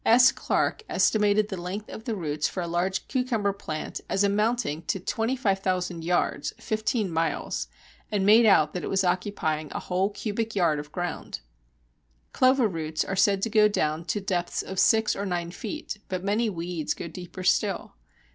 S. Clark estimated the length of the roots of a large cucumber plant as amounting to 25,000 yards (fifteen miles), and made out that it was occupying a whole cubic yard of ground. Clover roots are said to go down to depths of six or nine feet, but many weeds go deeper still.